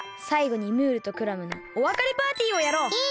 さいごにムールとクラムのおわかれパーティーをやろう！